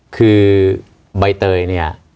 คือใบเตยเนี่ย